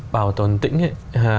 bảo tồn tĩnh